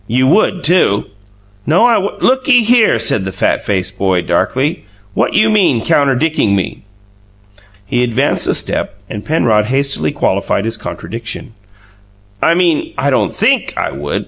"You would, too!" "No, I w "Looky here," said the fat faced boy, darkly, "what you mean, counterdicking me?" He advanced a step and Penrod hastily qualified his contradiction. "I mean, I don't THINK I would.